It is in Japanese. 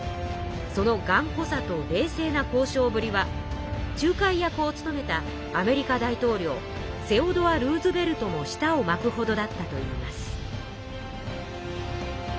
そのがんこさと冷静な交渉ぶりは仲介役を務めたアメリカ大統領セオドア・ルーズベルトも舌をまくほどだったといいます。